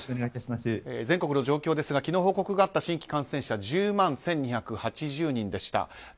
全国の状況ですが昨日報告があった新規感染者は１０万１２８０人でした。